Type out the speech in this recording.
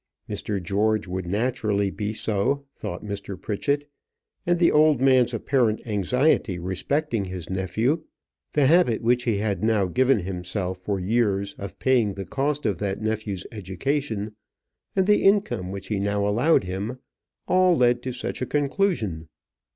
Mr. George would naturally be so so thought Mr. Pritchett; and the old man's apparent anxiety respecting his nephew, the habit which he had now given himself for years of paying the cost of that nephew's education, and the income which he now allowed him, all led to such a conclusion.